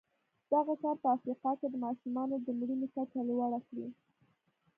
دغه کار په افریقا کې د ماشومانو د مړینې کچه لوړه کړې.